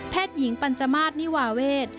แพทย์หญิงปัญจมาศนิวาเวท